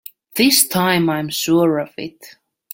This time I'm sure of it!